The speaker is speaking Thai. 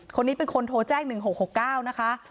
คนนี้เป็นคนโทรแจ้ง๑๖๖๙นะคะ